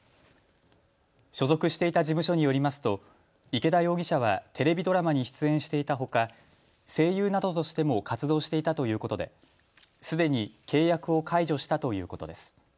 所属していた事務所によりますと池田容疑者はテレビドラマに出演していたほか、声優などとしても活動していたということですでに契約を解除したということです。